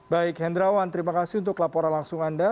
baik hendrawan terima kasih untuk laporan langsung anda